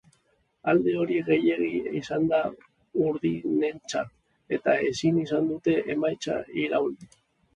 Alde hori gehiegi izan da urdinentzat, eta ezin izan dute emaitza irauli.